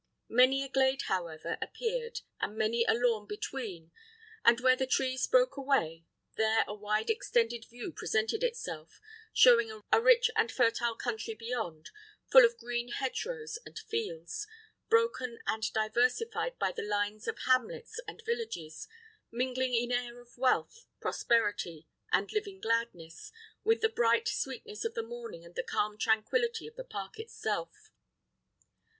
Many a glade, however, appeared, and many a lawn between; and where the trees broke away, there a wide extended view presented itself, showing a rich and fertile country beyond, full of green hedgerows and fields, broken and diversified by the lines of hamlets and villages, mingling an air of wealth, prosperity, and living gladness, with the bright sweetness of the morning and the calm tranquillity of the park itself.